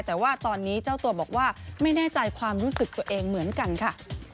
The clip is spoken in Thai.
แต่ว่าตอนนี้เจ้าตัวบอกว่าไม่แน่ใจความรู้สึกตัวเองเหมือนกันค่ะ